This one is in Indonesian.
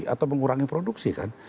atau mengurangi produksi kan